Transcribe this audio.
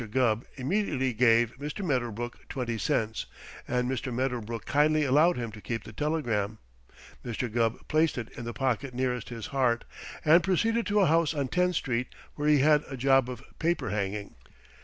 Gubb immediately gave Mr. Medderbrook twenty cents and Mr. Medderbrook kindly allowed him to keep the telegram. Mr. Gubb placed it in the pocket nearest his heart and proceeded to a house on Tenth Street where he had a job of paper hanging.